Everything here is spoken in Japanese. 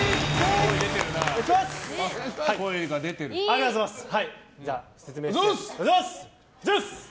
ありがとうございます。